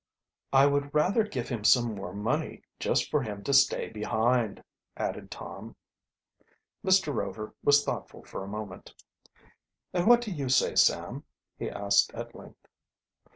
"I would rather give him some more money just for him to stay behind," added Tom. Mr. Rover was thoughtful for a moment. "And what do you say, Sam?" he asked at length.